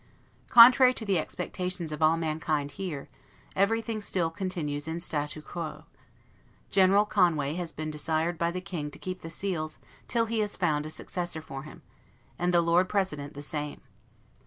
Contrary to the expectations of all mankind here, everything still continues in 'statu quo'. General Conway has been desired by the King to keep the seals till he has found a successor for him, and the Lord President the same.